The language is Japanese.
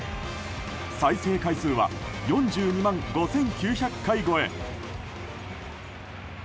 再生回数は４２万５９００回超え。